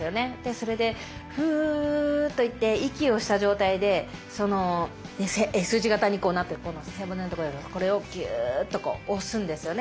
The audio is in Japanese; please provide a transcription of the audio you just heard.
それでふっといって息をした状態でＳ字形になってるこの背骨のとこをこれをギューッと押すんですよね。